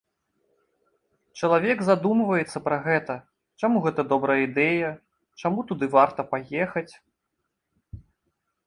Чалавек задумваецца пра гэта, чаму гэта добрая ідэя, чаму туды варта паехаць.